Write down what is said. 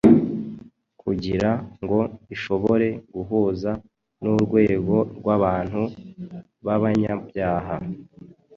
kugira ngo ishobore guhuza n’urwego rw’abantu b’abanyabyaha;